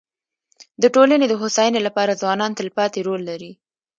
د ټولني د هوسايني لپاره ځوانان تلپاتي رول لري.